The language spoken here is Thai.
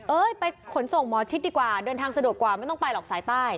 ไปขนส่งหมอชิดดีกว่าเดินทางสะดวกกว่าไม่ต้องไปหรอกสายใต้